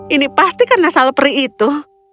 ini pasti karena salpri itu